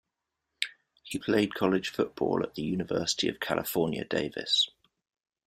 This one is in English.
He played college football at the University of California-Davis.